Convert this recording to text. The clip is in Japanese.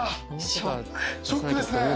ショックですね